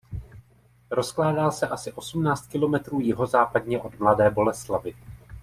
Rozkládá se asi osmnáct kilometrů jihozápadně od Mladé Boleslavi.